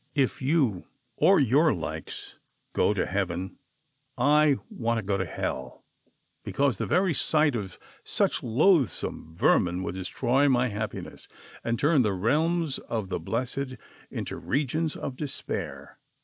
"If you, or your likes, go to heaven, I want to go to hell ; because, the very sight of such loathsome vermin would destroy my happiness, and turn the realms of the blessed into regions of despair